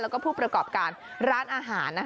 แล้วก็ผู้ประกอบการร้านอาหาร